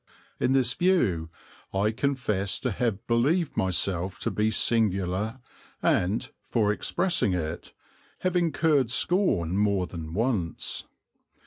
In this view I confess to have believed myself to be singular and, for expressing it, have incurred scorn more than once.